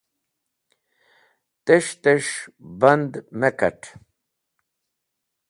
Tes̃h tesh band (hardal) me kat̃.